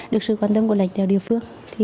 được sự quan tâm của lãnh đạo địa phương